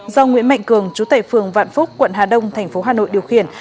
do nguyễn mạnh cường chú tệ phường vạn phúc quận hà đông thành phố hà nội điều khiển